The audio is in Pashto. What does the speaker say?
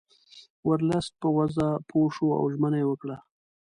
ورلسټ په وضع پوه شو او ژمنه یې وکړه.